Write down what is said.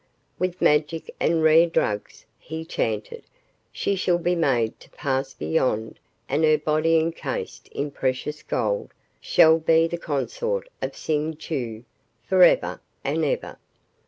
"With magic and rare drugs," he chanted, "she shall be made to pass beyond and her body encased in precious gold shall be the consort of Ksing Chau forever and ever."